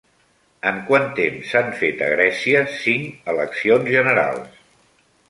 En quant temps s'han fet a Grècia cinc eleccions generals?